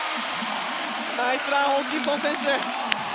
ナイスランホーキンソン選手。